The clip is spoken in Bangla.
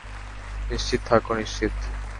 নিশ্চিত থাকো নিশ্চিত।